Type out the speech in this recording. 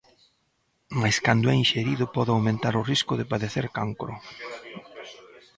Mais cando é inxerido pode aumentar o risco de padecer cancro.